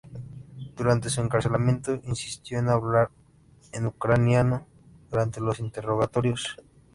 Durante su encarcelamiento insistió en hablar en ucraniano durante los interrogatorios.